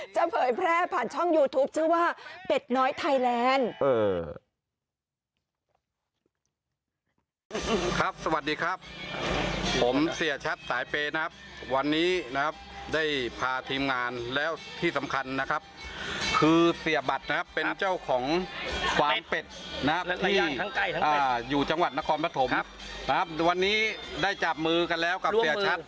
เผยแพร่ผ่านช่องยูทูปชื่อว่าเป็ดน้อยไทยแลนด์